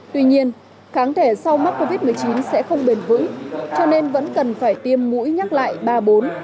tuy nhiên kháng thể sau mắc covid một mươi chín sẽ không bền vững cho nên vẫn cần phải tiêm mũi nhắc lại ba bốn